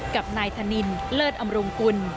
กับนายธนินเลิศอำรุงกุล